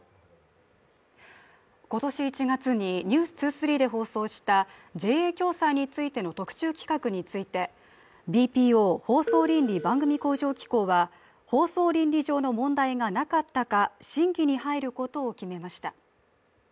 今年１月に「ｎｅｗｓ２３」で放送したＪＡ共済についての特集企画についてＢＰＯ＝放送倫理・番組向上機構は放送倫理上の問題がなかったか審議に入ることを決めました。